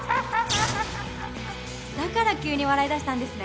だから急に笑いだしたんですね。